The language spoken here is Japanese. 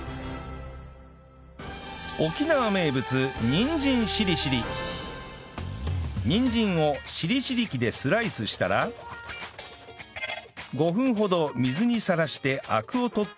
ニトリにんじんをしりしり器でスライスしたら５分ほど水にさらしてアクを取っておきます